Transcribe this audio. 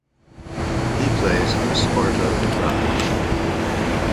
He plays for Sparta Prague.